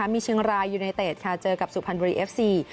มีเชียงรายุนิเตตเจอกับสุภัณฑุรีเอฟซี